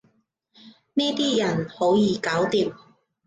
呢啲人好易搞掂